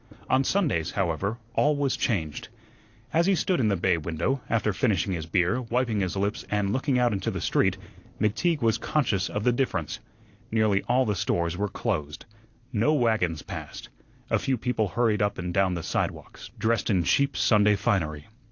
On Sundays, however, all was changed. As he stood in the bay window, after finishing his beer, wiping his lips, and looking out into the street, McTeague was conscious of the difference. Nearly all the stores were closed. No wagons passed. A few people hurried up and down the sidewalks, dressed in cheap Sunday finery.